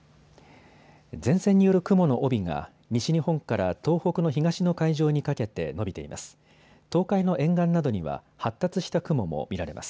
前線による雲の帯が西日本から東北の東の海上にかけて延びています。